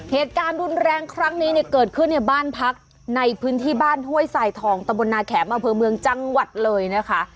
เหตุการณ์รุนแรงครั้งนี้เนี่ยเกิดขึ้นในบ้านพักในพื้นที่บ้านห้วยสายทองตะบลนาแขมอำเภอเมืองจังหวัดเลยนะคะ